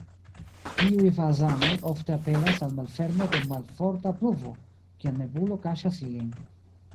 Tiuj fazanoj ofte aperas al malfermo dum malforta pluvo, kiam nebulo kaŝas ilin.